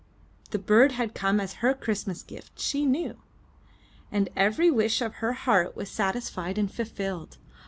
The bird had come as her Christmas gift, she knew. And every wish of her heart was satisfied and fulfilled.